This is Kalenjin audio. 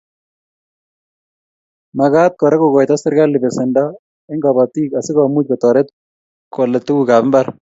Magat Kora kokoito serkali besend eng kobotik asikomuch kotoret kole tugukab mbar